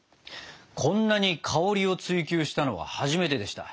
こんなに香りを追求したのは初めてでした。